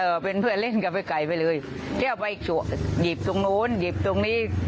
เป็นเพื่อนเล่นกับไอ้ไก่ไปเลยแก้วไปหยิบตรงนู้นหยิบตรงนี้